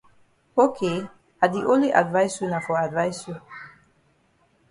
Ok I di only advice you na for advice you.